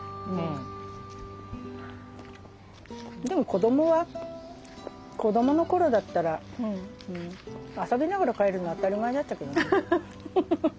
でも子どもは子どもの頃だったら遊びながら帰るの当たり前だったけどね。